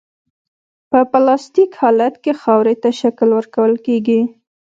په پلاستیک حالت کې خاورې ته شکل ورکول کیږي